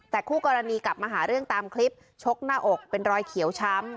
แต่คู่กรณีกลับมาหาเรื่องตามคลิปชกหน้าอกเป็นรอยเขียวช้ำ